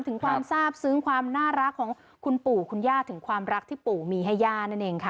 ถึงความทราบซึ้งความน่ารักของคุณปู่คุณย่าถึงความรักที่ปู่มีให้ย่านั่นเองค่ะ